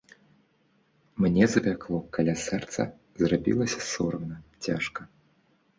Мне запякло каля сэрца, зрабілася сорамна, цяжка.